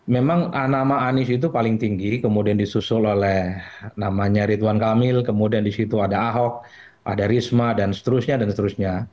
memang nama anies itu paling tinggi kemudian disusul oleh namanya ridwan kamil kemudian disitu ada ahok ada risma dan seterusnya dan seterusnya